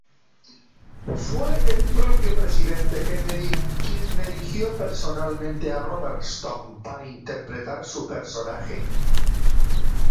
Fue el propio presidente Kennedy quien eligió personalmente a Robertson para interpretar su personaje.